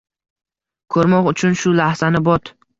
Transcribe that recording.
Ko’rmoq uchun shu lahzani bot